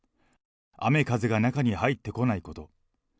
雨風が中に入ってこないこと。